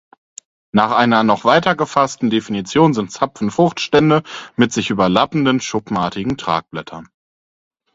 Nach einer noch weiter gefassten Definition sind Zapfen Fruchtstände mit sich überlappenden schuppenartigen Tragblättern.